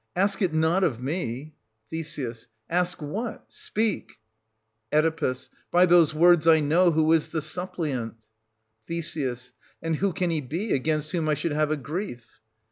Ask it not of me — Th. Ask what? — Speak ! 1170 Oe. By those words I know who is the suppliant. Th. And who can he be, against whom I should have a grief?